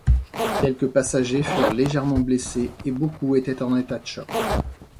Quelques passagers furent légèrement blessés, et beaucoup étaient en état de choc.